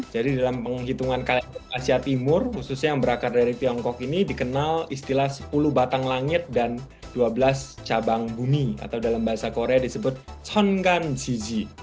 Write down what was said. jadi dalam penghitungan kalender asia timur khususnya yang berakar dari tiongkok ini dikenal istilah sepuluh batang langit dan dua belas cabang bumi atau dalam bahasa korea disebut cheongganjiji